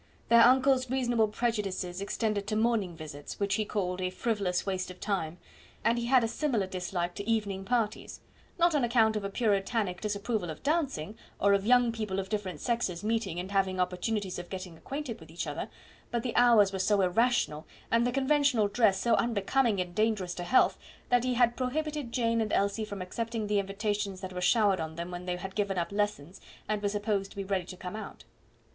Their uncle's reasonable prejudices extended to morning visits, which he called a frivolous waste of time; and he had a similar dislike to evening parties; not on account of a puritanic disapproval of dancing, or of young people of different sexes meeting and having opportunities of getting acquainted with each other, but the hours were so irrational, and the conventional dress so unbecoming and dangerous to health, that he had prohibited Jane and Elsie from accepting the invitations that were showered on them when they had given up lessons and were supposed to be ready to come out.